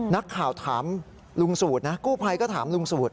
นักข่าวถามลุงสุดนะกู้ไพก็ถามลุงสุด